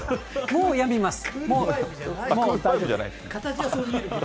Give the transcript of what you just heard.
もうやみます。